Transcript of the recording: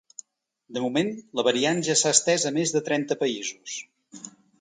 De moment, la variant ja s’ha estès a més de trenta països.